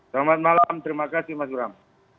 selamat malam terima kasih mas bram